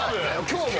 今日も！